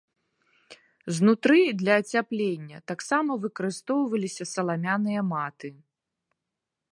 Знутры для ацяплення таксама выкарыстоўваліся саламяныя маты.